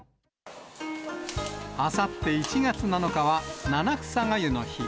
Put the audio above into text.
あさって１月７日は、七草がゆの日。